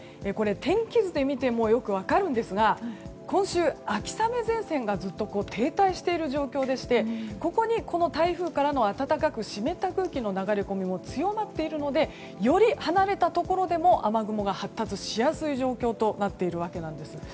天気図で見てもよく分かるんですが今週、秋雨前線がずっと停滞している状況でしてここにこの台風からの暖かく湿った空気の流れ込みも強まっているのでより離れたところでも雨雲が発達しやすい状況となっているわけです。